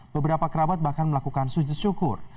beberapa kerabat bahkan melakukan sujud syukur